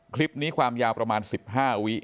คลิปนี้ความยาวประมาณ๑๕วิ